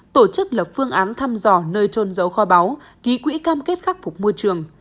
tổ chức lập phương án thăm dò nơi trôn giấu kho báu ký quỹ cam kết khắc phục môi trường